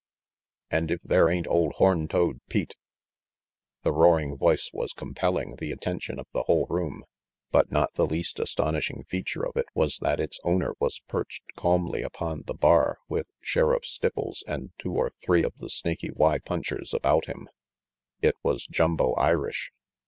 "And if there ain't old horn toad Pete!" The roaring voice was compelling the attention of the whole room, but not the least astonishing feature of it was that its owner was perched calmly upon the bar with Sheriff Stipples and two or three of the Snaky Y punchers about him. It was Jumbo Irish.